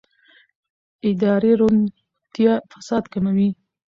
اداري روڼتیا فساد کموي